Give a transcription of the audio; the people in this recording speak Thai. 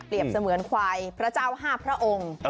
เปลี่ยมเสมือนควายพระเจ้าห้าพระองค์